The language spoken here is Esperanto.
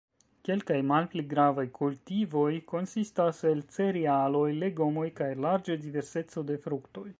Kelkaj malpli gravaj kultivoj konsistas el cerealoj, legomoj kaj larĝa diverseco de fruktoj.